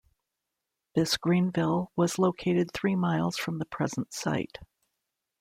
This Greenville was located three miles from the present site.